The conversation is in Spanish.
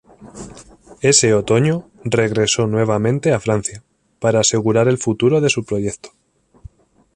Ese otoño regresó nuevamente a Francia para asegurar el futuro de su proyecto.